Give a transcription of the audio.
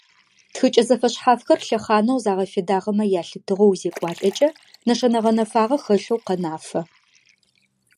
Тхыкӏэ зэфэшъхьафхэр лъэхъанэу загъэфедагъэмэ ялъытыгъэу узекӏуалӏэкӏэ, нэшэнэ гъэнэфагъэ хэлъэу къэнафэ.